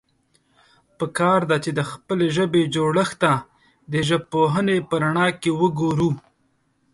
پکار ده، چې د خپلې ژبې جوړښت ته د ژبپوهنې په رڼا کې وګورو.